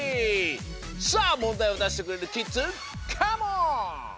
さあもんだいをだしてくれるキッズカモン！